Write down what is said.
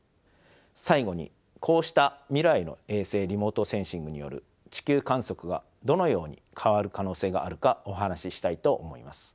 最後にこうした未来の衛星リモートセンシングによる地球観測がどのように変わる可能性があるかお話ししたいと思います。